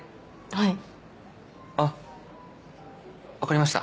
はいあっわかりました